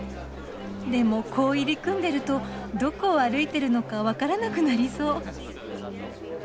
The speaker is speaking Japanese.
でもこう入り組んでるとどこを歩いてるのか分からなくなりそう。